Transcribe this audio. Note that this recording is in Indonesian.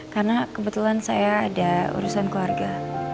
karena kebetulan saya ada urusan keluarga